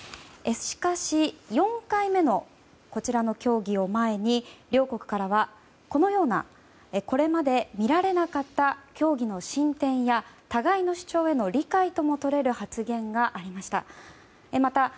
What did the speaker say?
しかし、４回目のこちらの協議を前に両国からはこれまで見られなかった協議の進展や互いの主張への理解とも取れる発言がありました。